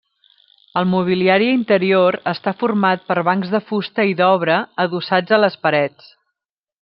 El mobiliari interior està format per bancs de fusta i d’obra adossats a les parets.